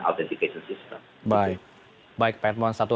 autentikasi sistem baik pak edmond satu